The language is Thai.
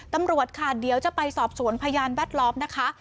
ตำรวจค่ะเดี๋ยวจะไปสอบสวนพยานแวดล้อมนะคะ